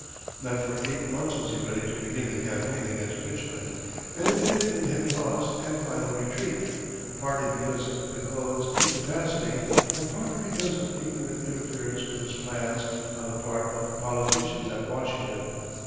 Not for eight months was he ready to begin the campaign against Richmond, and it ended in heavy loss and final retreat, partly because of McClellan's incapacity and partly because of ignorant interference with his plans on the part of politicians at Washington.